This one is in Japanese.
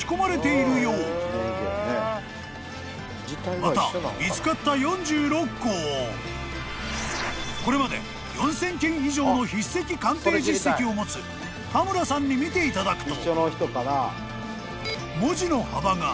［また見つかった４６個をこれまで４，０００件以上の筆跡鑑定実績を持つ田村さんに見ていただくと］